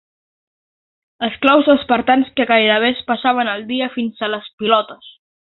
Esclaus espartans que gairebé es passaven el dia fins a les pilotes.